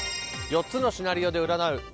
４つのシナリオで占う